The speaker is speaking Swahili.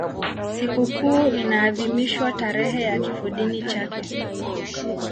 Sikukuu inaadhimishwa tarehe ya kifodini chake.